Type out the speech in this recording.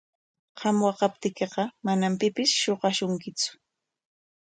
Qam waqaptiykiqa manam pipis shuqashunkitsu.